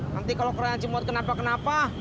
nanti kalau keren cimo kenapa kenapa